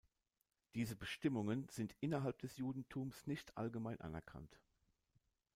Diese Bestimmungen sind innerhalb des Judentums nicht allgemein anerkannt.